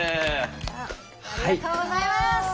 ありがとうございます！